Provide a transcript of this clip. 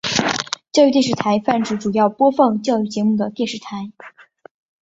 教育电视台泛指主要播放教育节目的电视台。